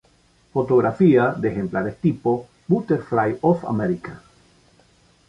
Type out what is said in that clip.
Fotografía de ejemplares tipo, Butterflies of America